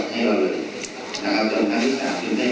เกณฑ์นี้ร่วมงานผิดเชือกับสนามทันทราร์มมวยนะครับ